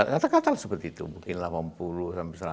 katakanlah seperti itu mungkin delapan puluh sampai seratus